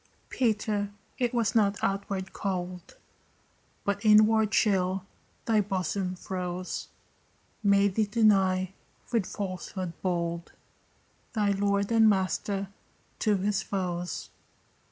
Peter, it was not outward cold But inward chill thy bosom froze, Made thee deny with falsehood bold Thy Lord and Master to his foes.